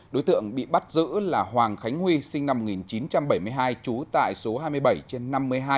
đối tượng bị bắt giữ là hoàng khánh huy sinh năm một nghìn chín trăm bảy mươi hai trú tại số hai mươi bảy trên năm mươi hai